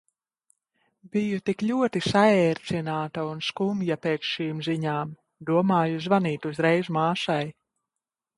Biju tik ļoti saērcināta un skumja pēc šīm ziņām. Domāju zvanīt uzreiz māsai.